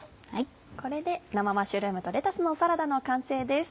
これで生マッシュルームとレタスのサラダの完成です。